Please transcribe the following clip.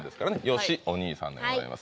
よしお兄さんでございます